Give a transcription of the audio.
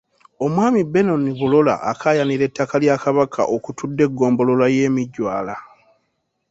Omwami Benon Bulola akaayanira ettaka lya Kabaka okutudde eggombolola y'e Mijwala